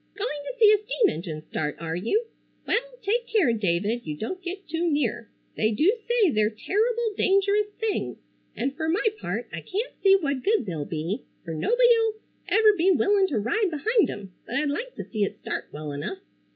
"Going to see a steam engine start, are you! Well, take care, David, you don't get too near. They do say they're terrible dangerous things, and fer my part I can't see what good they'll be, fer nobody'll ever be willin' to ride behind 'em, but I'd like to see it start well enough.